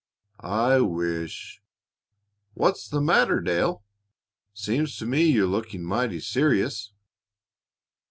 "I wish " "What's the matter, Dale? Seems to me you're looking mighty serious."